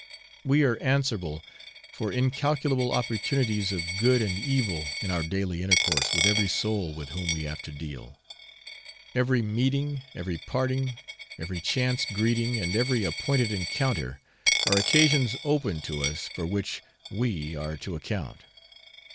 We are answerable for incalculable opportunities of good and evil in our daily intercourse with every soul with whom we have to deal; every meeting, every parting, every chance greeting, and every appointed encounter, are occasions open to us for which we are to account.